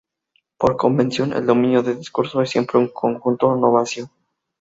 Por convención, el dominio de discurso es siempre un conjunto no vacío.